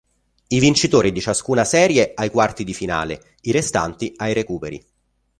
I vincitori di ciascuna serie ai quarti di finale, i restanti ai recuperi.